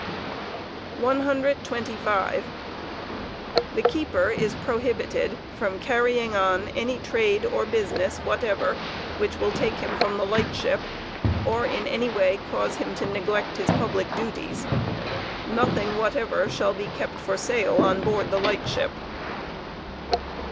in*![tar^ re£ard 126. The keeper is. prohibited from carrying on any trade or business whatever Pronibiuon r which will take him from the light ship, or in itoy way cause him to neglect his public duties. Nothing whatever shall be kept for sale on board the light ship.